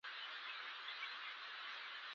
غر په کونه منډي ، شاگى اغاز ورکوي.